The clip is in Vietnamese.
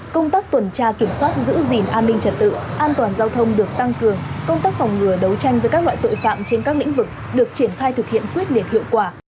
công tác tuần tra kiểm soát giữ gìn an ninh trật tự an toàn giao thông được tăng cường công tác phòng ngừa đấu tranh với các loại tội phạm trên các lĩnh vực được triển khai thực hiện quyết liệt hiệu quả